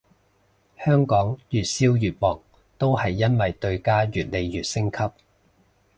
香港越燒越旺都係因為對家越嚟越升級